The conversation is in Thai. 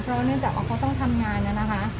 เพราะว่าเนื่องจากเขาต้องทำงานแล้วนะคะ